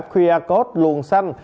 qr code luồn xanh